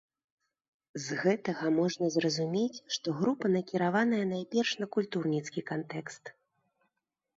З гэтага можна зразумець, што група накіраваная найперш на культурніцкі кантэкст.